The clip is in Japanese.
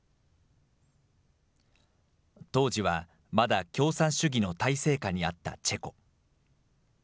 当時は、まだ共産主義の体制下にあったチェコ。